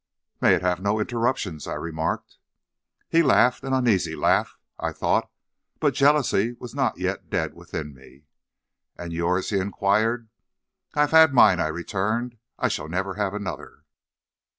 "'May it have no interruptions,' I remarked. "He laughed an uneasy laugh, I thought but jealousy was not yet dead within me. "'And yours?' he inquired. "'I have had mine,' I returned. 'I shall never have another.'